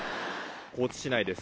高知市内です。